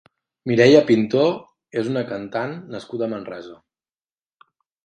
Mireia Pintó és una cantant nascuda a Manresa.